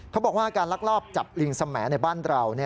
เขาบอกว่าการลักลอบจับลิงสมัยในบ้านเรา